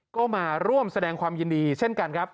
ก็มาร่วมแสดงความยินดีเช่นกันครับ